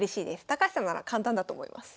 高橋さんなら簡単だと思います。